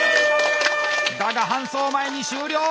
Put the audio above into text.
だが搬送前に終了！